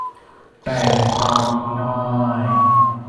แต่งตามง่าย